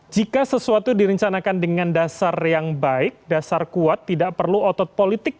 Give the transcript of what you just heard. jika sesuatu direncanakan dengan dasar yang baik dasar kuat tidak perlu otot politik